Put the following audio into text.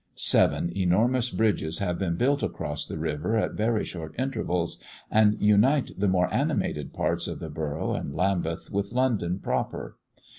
Seven enormous bridges have been built across the river at very short intervals, and unite the more animated parts of the Borough and Lambeth with London proper.